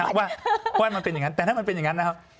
เพราะว่ามันเป็นอย่างนั้นแต่ถ้ามันเป็นอย่างนั้นนะครับ